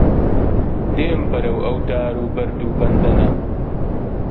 دێم بەرەو ئەو دار و بەرد و بەندەنە